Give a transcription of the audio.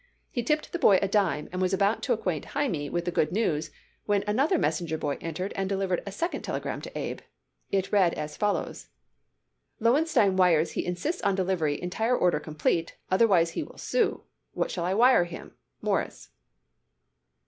He tipped the boy a dime and was about to acquaint Hyman with the good news, when another messenger boy entered and delivered a second telegram to Abe. It read as follows: "Lowenstein wires he insists on delivery entire order complete, otherwise he will sue. What shall I wire him? MORRIS."